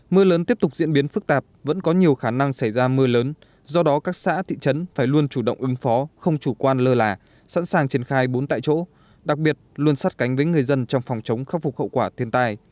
mưa lớn tiếp tục diễn biến phức tạp vẫn có nhiều khả năng xảy ra mưa lớn do đó các xã thị trấn phải luôn chủ động ứng phó không chủ quan lơ là sẵn sàng triển khai bốn tại chỗ đặc biệt luôn sát cánh với người dân trong phòng chống khắc phục hậu quả thiên tai